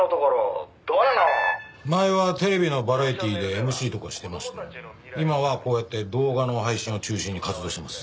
前はテレビのバラエティーでＭＣとかしてましたけど今はこうやって動画の配信を中心に活動してます。